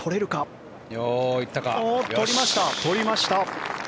とりました！